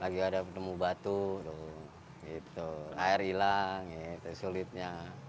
lagi ada penemu batu air hilang sulitnya